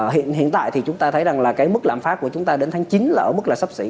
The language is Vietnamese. hiện tại thì chúng ta thấy rằng là cái mức lạm phát của chúng ta đến tháng chín là ở mức là sắp xỉ